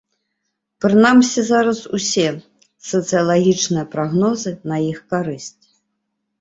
Прынамсі зараз усе сацыялагічныя прагнозы на іх карысць.